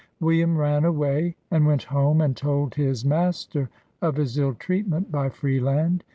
William ran away, and went home and told his mas ter of his ill treatment by Freeland.